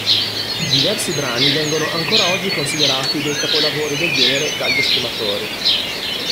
Diversi brani vengono ancora oggi considerati dei capolavori del genere dagli estimatori.